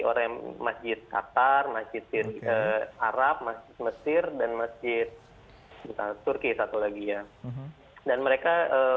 oleh masjid qatar masih tidak arab masih mesir dan masih kita turki satu lagi ya dan mereka